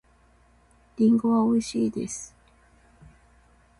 リンゴはおいしいです。